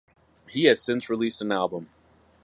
He has since released an album.